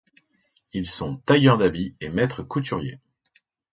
Ils sont tailleurs d'habits et maîtres couturiers.